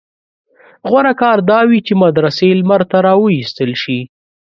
غوره کار دا وي چې مدرسې لمر ته راوایستل شي.